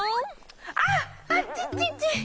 あっあっちちち！